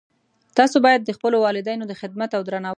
تاسو باید د خپلو والدینو د خدمت او درناوۍ لپاره تل چمتو اوسئ